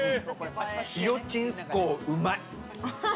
塩ちんすこう、うまい！